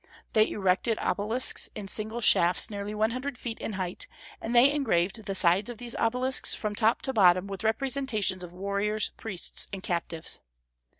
They erected obelisks in single shafts nearly one hundred feet in height, and they engraved the sides of these obelisks from top to bottom with representations of warriors, priests, and captives.